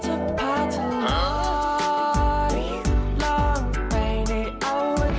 อุ๊ยมันลอยได้อย่างไรน่ะ